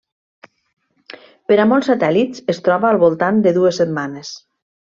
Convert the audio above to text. Per a molts satèl·lits es troba al voltant de dues setmanes.